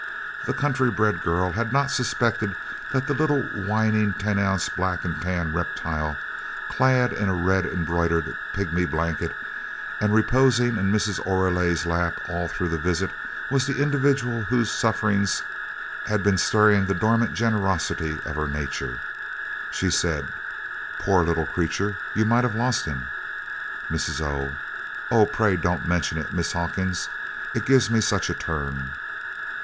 The country bred girl had not suspected that the little whining ten ounce black and tan reptile, clad in a red embroidered pigmy blanket and reposing in Mrs. Oreille's lap all through the visit was the individual whose sufferings had been stirring the dormant generosities of her nature. She said: "Poor little creature! You might have lost him!" Mrs. O. "O pray don't mention it, Miss Hawkins it gives me such a turn!"